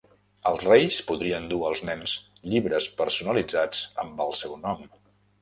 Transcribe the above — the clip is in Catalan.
Els Reis podrien dur als nens llibres personalitzats amb el seu nom.